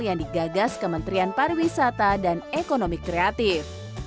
yang digagas kementerian pariwisata dan ekonomi kreatif